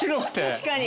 確かに。